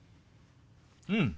うん。